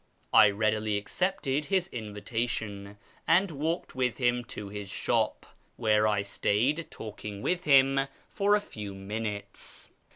I readily accepted his nvitation, and walked with him to his shop, where I stayed alking with him for a few minutes.